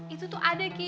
itu tuh ada ki